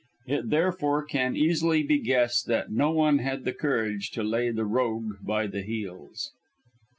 It therefore can easily be guessed that no one had the courage to lay the rogue by the heels.